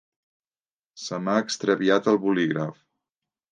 Se m'ha extraviat el bolígraf.